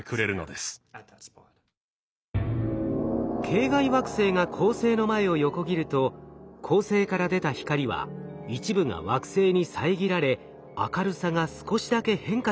系外惑星が恒星の前を横切ると恒星から出た光は一部が惑星に遮られ明るさが少しだけ変化します。